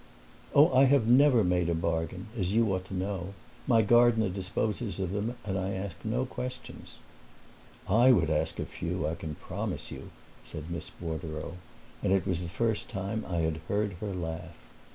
"Oh, I have never made a bargain, as you ought to know. My gardener disposes of them and I ask no questions." "I would ask a few, I can promise you!" said Miss Bordereau; and it was the first time I had heard her laugh.